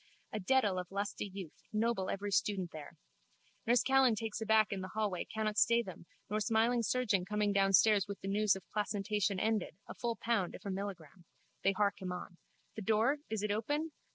A dedale of lusty youth, noble every student there. Nurse Callan taken aback in the hallway cannot stay them nor smiling surgeon coming downstairs with news of placentation ended, a full pound if a milligramme. They hark him on. The door! It is open?